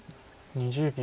２０秒。